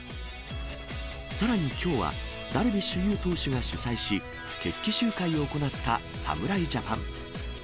さらにきょうは、ダルビッシュ有投手が主催し決起集会を行った侍ジャパン。